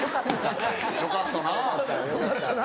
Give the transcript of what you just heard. よかったな。